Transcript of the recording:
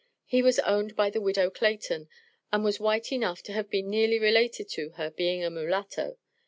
He was owned by the Widow Clayton, and was white enough to have been nearly related to her, being a mulatto.